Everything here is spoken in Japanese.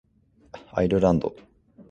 アイルランド